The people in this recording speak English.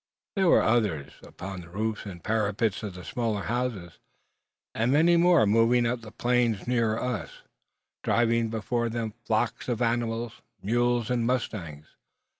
There were others upon the roofs and parapets of the smaller houses; and many more moving upon the plain nearer us, driving before them flocks of animals, mules, and mustangs.